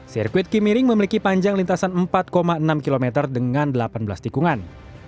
sirkuit kimiring memiliki panjang lintasan empat enam km dengan delapan belas tikungan